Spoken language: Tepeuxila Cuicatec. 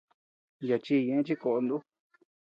Yaʼa chi ñeʼe chi koʼod ú.